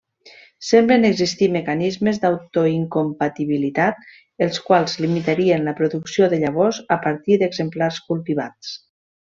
Semblen existir mecanismes d'autoincompatibilitat, els quals limitarien la producció de llavors a partir d'exemplars cultivats.